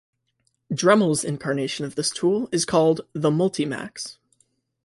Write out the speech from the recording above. Dremel's incarnation of this tool is called the "Multi-Max".